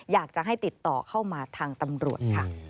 อยากจะให้ติดต่อเข้ามาทางตำรวจค่ะ